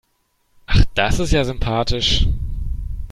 Ach, das ist ja sympathisch.